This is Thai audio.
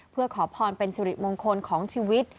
เพื่อขอพรเป็นสิริมงคลของชีวิต